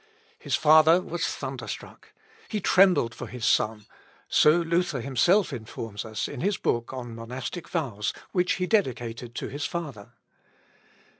His father was thunderstruck. He trembled for his son, so Luther himself informs us in his book on Monastic Vows, which he dedicated to his father.